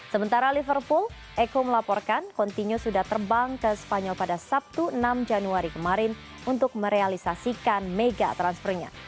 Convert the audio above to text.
sementara liverpool eko melaporkan continue sudah terbang ke spanyol pada sabtu enam januari kemarin untuk merealisasikan mega transfernya